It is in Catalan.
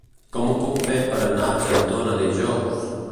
Com ho puc fer per anar a Argentona dijous?